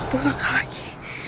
satu langkah lagi